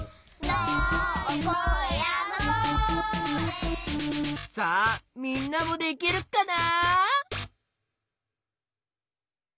「のをこえやまこえ」さあみんなもできるかな？